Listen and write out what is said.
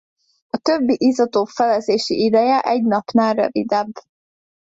A többi izotóp felezési ideje egy napnál rövidebb.